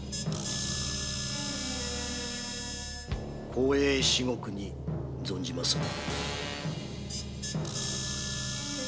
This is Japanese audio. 光栄至極に存じまする。